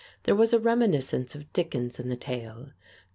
There was a reminiscence of Dickens in the tale.